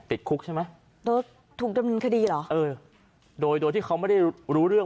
ติดคุกใช่ไหมโดนถูกดำเนินคดีเหรอเออโดยโดยที่เขาไม่ได้รู้เรื่อง